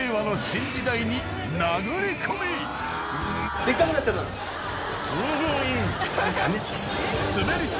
「でっかくなっちゃった」